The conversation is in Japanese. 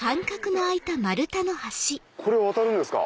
これ渡るんですか？